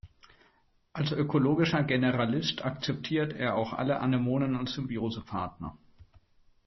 Als ökologischer Generalist akzeptiert er auch alle Anemonen als Symbiosepartner.